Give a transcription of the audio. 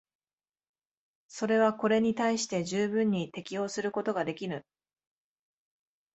それはこれに対して十分に適応することができぬ。